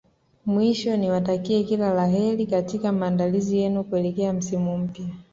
Mwisho niwatakie kila la kheri katika maandalizi yenu kuelekea msimu mpya